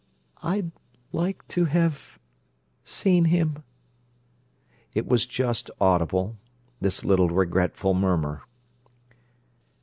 "I'd like to have—seen him." It was just audible, this little regretful murmur.